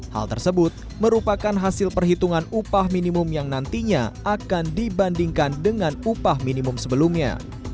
hal tersebut merupakan hasil perhitungan upah minimum yang nantinya akan dibandingkan dengan upah minimum sebelumnya